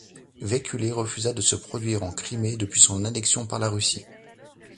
Vaikule refusa de se produire en Crimée depuis son annexion par la Russie.